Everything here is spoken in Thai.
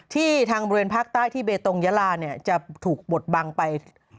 ที่ทางบริเวณภาคใต้ที่เบตตงยลาจะถูกบดบังไป๘๑